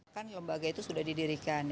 kan lembaga itu sudah didirikan